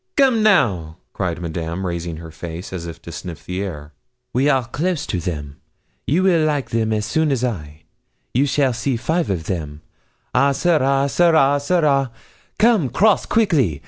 'Come, now!' cried Madame, raising her face, as if to sniff the air; 'we are close to them. You will like them soon as I. You shall see five of them. Ah, ça ira, ça ira, ça ira! Come cross quickily!